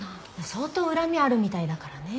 相当恨みあるみたいだからね。